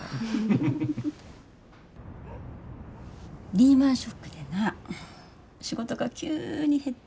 リーマンショックでな仕事が急に減って。